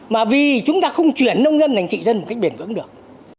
mà vì chúng ta không chuyển nông dân thành trị dân một cách bền vững được